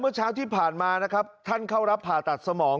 เช้าที่ผ่านมานะครับท่านเข้ารับผ่าตัดสมอง